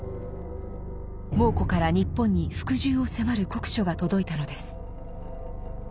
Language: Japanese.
蒙古から日本に服従を迫る国書が届いたのです。